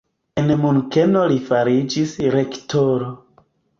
En Munkeno li fariĝis rektoro.